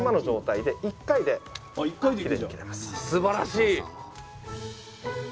すばらしい！